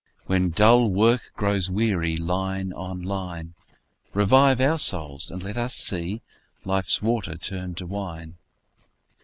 and when dull work Grows weary, line on line, Revive our souls, and let us see Life's water turned to wine.